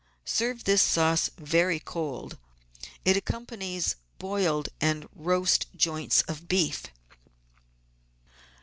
Serve this sauce very cold. It accompanies boiled and roast joints of beef.